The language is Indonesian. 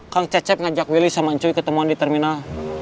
kang cecep ngajak willy sama ancoy ketemuan di terminal